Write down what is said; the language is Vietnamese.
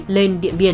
lên điện biển